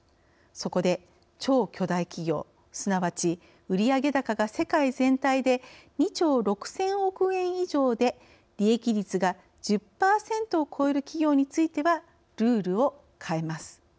そこで超巨大企業すなわち、売上高が世界全体で２兆６０００億円以上で利益率が１０％を超える企業についてはルールを変えます。